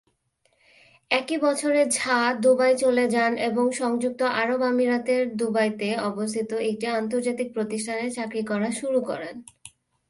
একই বছরে ঝা দুবাই চলে যান এবং সংযুক্ত আরব আমিরাতের দুবাইতে অবস্থিত একটি আন্তর্জাতিক প্রতিষ্ঠানে চাকরি করা শুরু করেন।